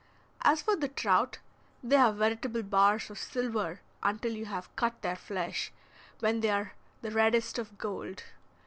As for the trout they are veritable bars of silver until you have cut their flesh, when they are the reddest of gold.